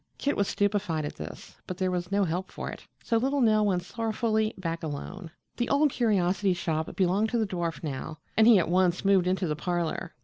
Kit was stupefied at this, but there was no help for it, so little Nell went sorrowfully back alone. The Old Curiosity Shop belonged to the dwarf now and he at once moved into the parlor.